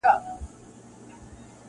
o جنتونه یې نصیب کي لویه ربه ,